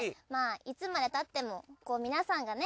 いつまでたっても皆さんがね